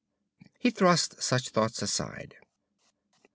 He thrust such thoughts aside.